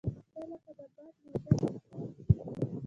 • ته لکه د باد نازک احساس یې.